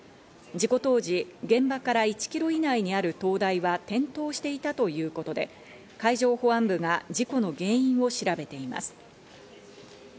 事故当時、現場から１キロ以内にある灯台は点灯していたということで、海上保安部が事故の原因を調べています。